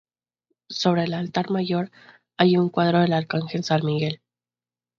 Sobre el altar mayor hay un cuadro del arcángel San Miguel.